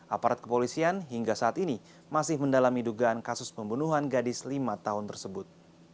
aparat kepolisian hingga saat ini masih mendalami dugaan kasus pembunuhan gadis lima tahun tersebut